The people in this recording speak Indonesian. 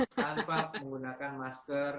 tanpa menggunakan masker